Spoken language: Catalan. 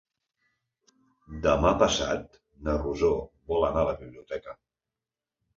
Demà passat na Rosó vol anar a la biblioteca.